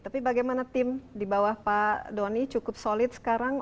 tapi bagaimana tim di bawah pak doni cukup solid sekarang